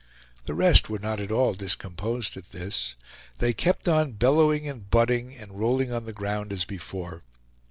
The rest were not at all discomposed at this; they kept on bellowing and butting and rolling on the ground as before.